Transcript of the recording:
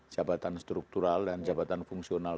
jabatan struktural dan jabatan fungsional